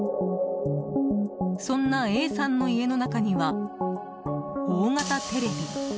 そんなＡさんの家の中には大型テレビ。